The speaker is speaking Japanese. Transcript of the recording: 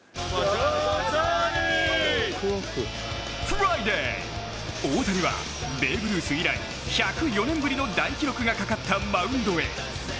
フライデー、大谷はベーブ・ルース以来１０４年ぶりの大記録がかかったマウンドへ。